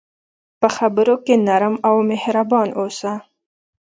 په خبرو کې نرم او مهربان اوسه.